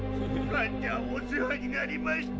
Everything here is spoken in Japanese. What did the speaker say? カンちゃんお世話になりました。